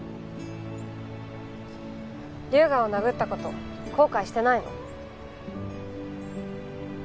龍河を殴った事後悔してないの？